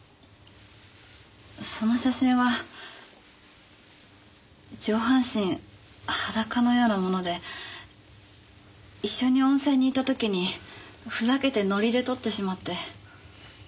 その写真は上半身裸のようなもので一緒に温泉に行った時にふざけてノリで撮ってしまって。